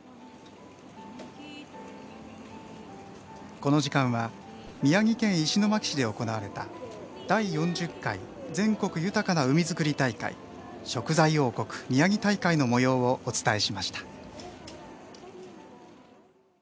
この時間は宮城県石巻市で行われた「第４０回全国豊かな海づくり大会食材王国みやぎ大会」のもようをお伝えしました。